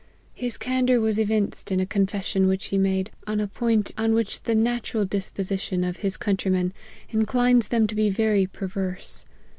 His candour was evinced in a confession which he made, on a point in which the natural disposition of his countrymen inclines !64 LIFE OF HENRY MARTYN. them to be very perverse.